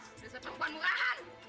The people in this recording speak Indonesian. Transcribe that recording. udah sepupuan murahan